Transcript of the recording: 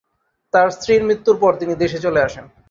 তার স্ত্রীর মৃত্যুর পর তিনি দেশে চলে আসেন।